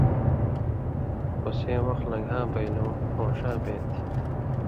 خو سَیں وخ لن٘گھاں بئ لُوں اؤن٘ݜاں بېں تھی۔